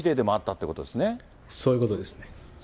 そういうことですね。